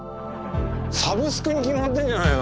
サブスクに決まってるじゃないの。